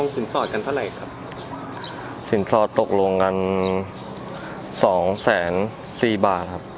สินทราบตกลงกัน๒แสน๔บาทครับ